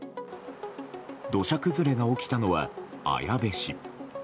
土砂崩れが起きたのは綾部市。